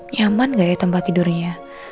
nyaman gak ya tempat tidurnya